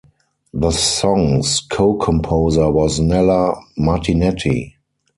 The song's co-composer was Nella Martinetti.